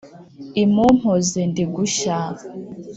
imumpoze ndi gushyaaaaaa!”